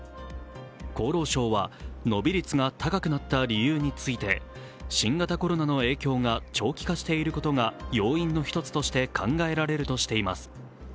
厚労省は伸び率が高くなった理由について新型コロナの影響が長期化していることが要因の一つとして考えられるとしています。